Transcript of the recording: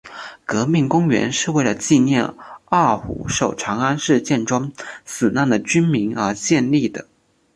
革命公园是为了纪念二虎守长安事件中死难的军民而建立的。